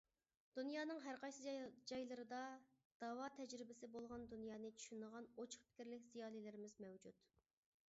دۇنيانىڭ ھەرقايسى جايلىرىدا داۋا تەجرىبىسى بولغان دۇنيانى چۈشىنىدىغان ئوچۇق پىكىرلىك زىيالىيلىرىمىز مەۋجۇت.